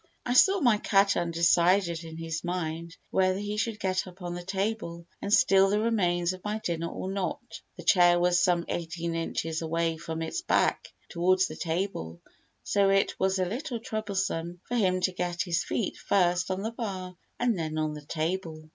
I saw my cat undecided in his mind whether he should get up on the table and steal the remains of my dinner or not. The chair was some eighteen inches away with its back towards the table, so it was a little troublesome for him to get his feet first on the bar and then on the table.